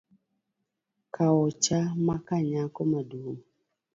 Kaocha makanyako maduong’